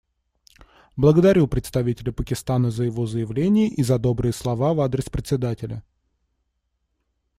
Благодарю представителя Пакистана за его заявление и за добрые слова в адрес Председателя.